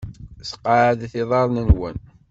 Sqeɛdet iḍarren-nwen.